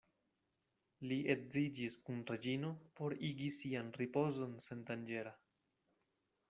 Li edziĝis kun Reĝino por igi sian ripozon sendanĝera.